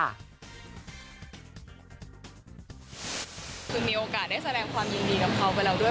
คือมีโอกาสได้แสดงความยินดีกับเขาไปแล้วด้วย